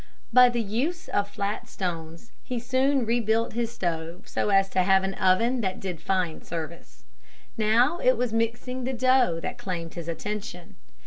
By the use of flat stones he soon rebuilt his stove so as to have an oven that did fine service. Now it was mixing the dough that claimed his attention.